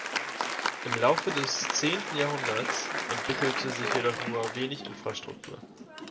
Im Laufe des zehnten Jahrhunderts entwickelte sich jedoch nur wenig Infrastruktur.